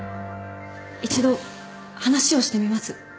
一度話をしてみます。